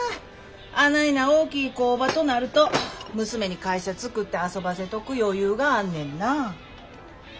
あないな大きい工場となると娘に会社作って遊ばせとく余裕があんねんな。